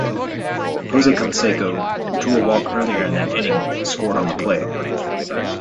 Jose Canseco, who drew a walk earlier that inning, scored on the play.